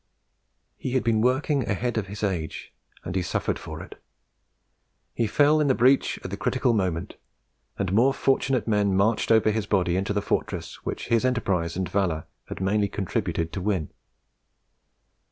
He had been working ahead of his age, and he suffered for it. He fell in the breach at the critical moment, and more fortunate men marched over his body into the fortress which his enterprise and valour had mainly contributed to win.